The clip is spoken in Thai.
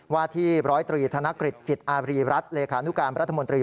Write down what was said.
ว่าที่๑๐๓ธนกฤษจิตอารีรัฐเลขานุกรรมรัฐมนตรี